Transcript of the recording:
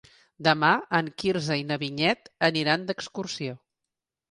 Demà en Quirze i na Vinyet aniran d'excursió.